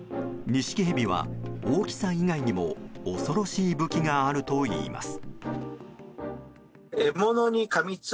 ニシキヘビは大きさ以外にも恐ろしい武器があるといいます。